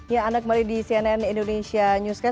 ya anda kembali di cnn indonesia newscast